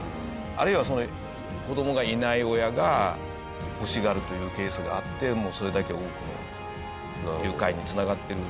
あるいは子供がいない親が欲しがるというケースがあってそれだけ多くの誘拐に繋がってる。